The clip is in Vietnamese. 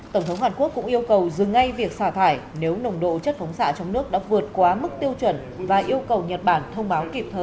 tổng thống hàn quốc cũng yêu cầu dừng ngay việc xả thải nếu nồng độ chất phóng xạ trong nước đã vượt quá mức tiêu chuẩn và yêu cầu nhật bản thông báo kịp thời